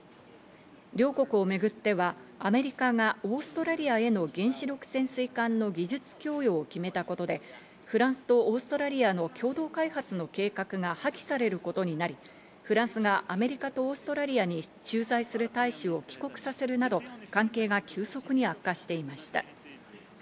両国をめぐっては、アメリカがオーストラリアへの原子力潜水艦の技術供与を決めたことで、フランスとオーストラリアの共同開発の計画が破棄されることになり、フランスがアメリカとオーストラリアに駐在する大使を帰国させるなど関係が急速に悪化していました。